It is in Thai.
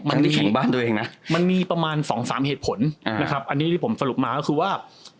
มันมีประมาณ๒๓เกี่ยวของเหตุผลนี่ที่ผมสรุปมาก็คือว่า